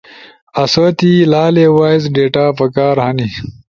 آسو تی لالی وائس ڈیٹا پکار ہنی۔